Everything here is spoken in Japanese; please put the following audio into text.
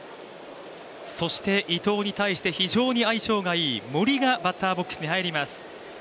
そして伊藤に対して非常に相性がいい森がバッターボックスに入ります。